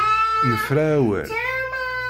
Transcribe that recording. Nefra awal.